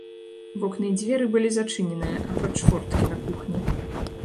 Вокны і дзверы былі зачыненыя, апроч форткі на кухні.